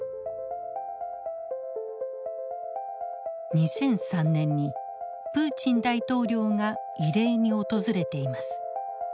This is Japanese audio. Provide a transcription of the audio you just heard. ２００３年にプーチン大統領が慰霊に訪れています。